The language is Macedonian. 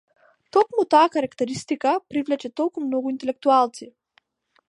Токму таа карактеристика привлече толку многу интелектуалци.